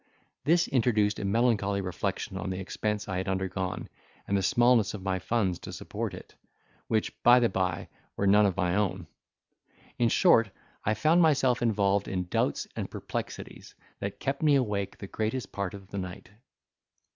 This introduced a melancholy reflection on the expense I had undergone, and the smallness of my funds to support it, which, by the by, were none of my own. In short, I found myself involved in doubts and perplexities, that kept me awake the greatest part of the night.